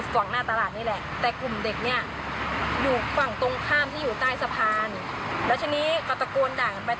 ก้อนหินกว้างกันไปกว้างกันมา